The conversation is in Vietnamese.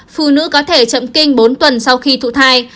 phụ nữ có thể chậm kinh bốn tuần sau khi thụ thai